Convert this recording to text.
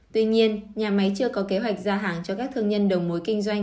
tuy nhiên nhà máy chưa có kế hoạch giao hàng cho các thương nhân đầu mối kinh doanh